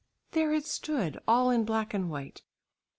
There it stood all in black and white.